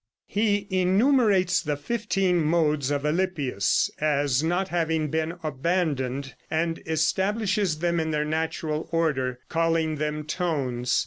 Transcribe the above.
He enumerates the fifteen modes of Alypius as not having been abandoned, and establishes them in their natural order, calling them tones.